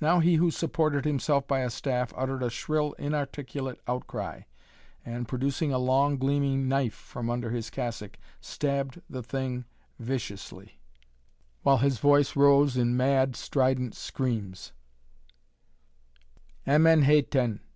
Now he who supported himself by a staff uttered a shrill inarticulate outcry, and, producing a long, gleaming knife from under his cassock, stabbed the thing viciously, while his voice rose in mad, strident screams: "Emen Hetan!